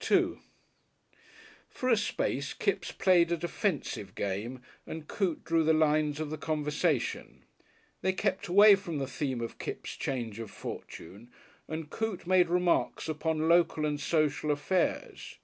§2 For a space Kipps played a defensive game and Coote drew the lines of the conversation. They kept away from the theme of Kipps' change of fortune, and Coote made remarks upon local and social affairs.